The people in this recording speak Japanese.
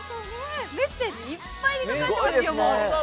メッセージ、いっぱいに書かれてますよ。